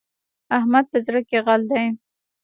احمد په زړه کې غل دی.